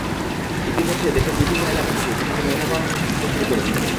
ইতিমধ্যে দেশের বিভিন্ন এলাকা থেকে সেখানে ধর্মপ্রাণ মানুষ আসতে শুরু করেছেন।